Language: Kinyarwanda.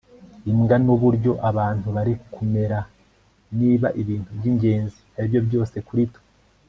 imbwa nuburyo abantu bari kumera niba ibintu byingenzi aribyo byose kuri twe